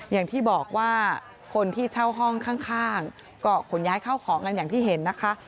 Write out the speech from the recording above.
อย่างที่บอกว่าคนที่เช่าห้องข้างก็ขนย้ายเข้าของกันอย่างที่เห็นนะคะ